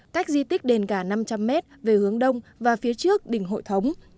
cách di tích đền cả năm trăm linh mét về hướng đông và phía trước đỉnh hội thống